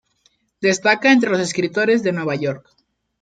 Destaca entre los escritores de Nueva York.